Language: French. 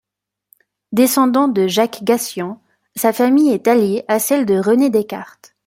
Descendant de Jacques Gatian, sa famille est alliée à celle de René Descartes.